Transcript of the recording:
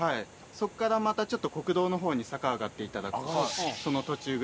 そこからまたちょっと国道の方に坂上がっていただくとその途中ぐらいに。